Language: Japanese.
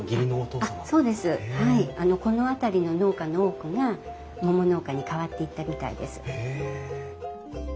この辺りの農家の多くが桃農家に変わっていったみたいです。